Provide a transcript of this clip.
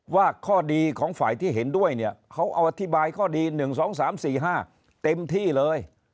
ว่าข้อดีของฝ่ายที่เห็นด้วยเนี่ยเขาเอาอธิบายข้อดี๑๒๓๔๕เต็มที่เลย